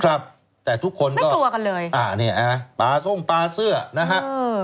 ครับแต่ทุกคนก็ไม่กลัวกันเลยนี่ป่าส้งป่าเสื้อนะฮะ